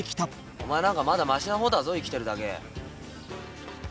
お前なんかまだマシな方だぞ生きてるだけ。